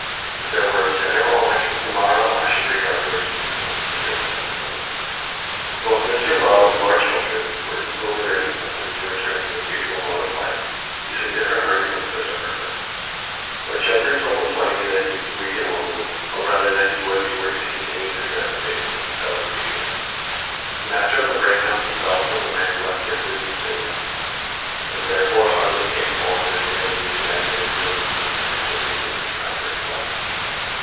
If there were a general election to morrow, I should regard your seat as one of the safest in England." Both Mr. Low and Lord Chiltern were equally urgent with him to return to his usual mode of life, using different arguments for their purpose. Lord Chiltern told him plainly that he was weak and womanly, or rather that he would be were he to continue to dread the faces of his fellow creatures. The Master of the Brake hounds himself was a man less gifted than Phineas Finn, and therefore hardly capable of understanding the exaggerated feelings of the man who had recently been tried for his life.